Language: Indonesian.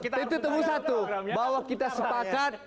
tentu tentu satu bahwa kita sepakat